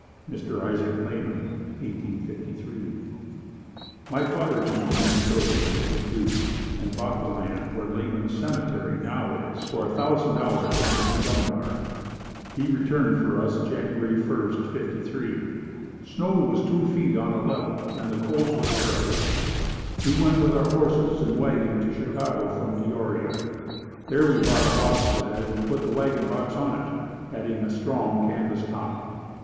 Mr. Isaac Layman 1853. My father came to Minnesota in '52 and bought the land where Layman's Cemetery now is for $1,000.00 of Mr. Dumar. He returned for us January first '53. Snow was two feet on a level and the cold was terrible. We went with our horses and wagon to Chicago from Peoria. There we bought a bobsled and put the wagon box on it, adding a strong canvas top.